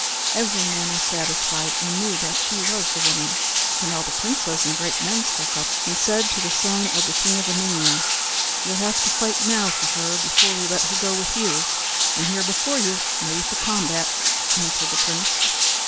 Every man was satisfied and knew that she was the woman. Then all the princes and great men spoke up, and said to the son of the king of Emania: "You'll have to fight now for her before we let her go with you." "I'm here before you, ready for combat," answered the prince.